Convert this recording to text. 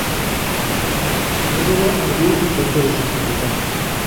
En Córdoba ardió el Convento de San Cayetano.